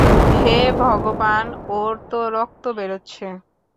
হে ভগবান, ওর তো রক্ত বেরোচ্ছে।